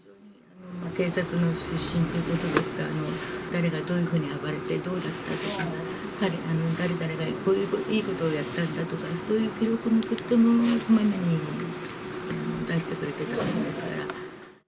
警察の出身ということですから、誰がどういうふうに暴れて、どうだったとか、誰々がこういういいことをやったとか、そういう記録のことを、とってもこまめに出してくれてたもんです